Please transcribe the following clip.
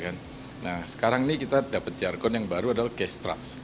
nah sekarang ini kita dapat jargon yang baru adalah case trust